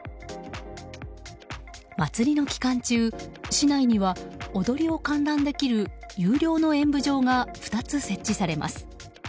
祭りの期間中、市内には踊りを観覧できる有料の演舞場が、２つ設置されます。